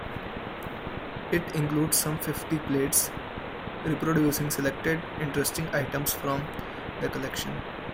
It includes some fifty plates, reproducing selected interesting items from the collection.